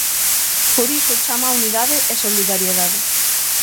Por iso, chama á unidade e solidariedade.